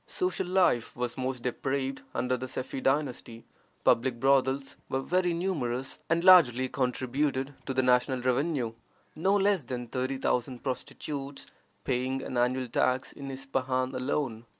Social life was most depraved under the Sefi dynasty. Public brothels were very numerous, and largely contributed to the national revenue, no less than thirty thousand prostitutes paying an annual tax in Ispahan alone.